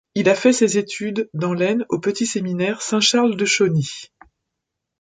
Il fait ses études dans l'Aisne au petit séminaire Saint-Charles de Chauny.